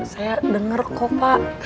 saya denger kok pak